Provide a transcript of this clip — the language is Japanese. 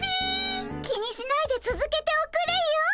気にしないでつづけておくれよ。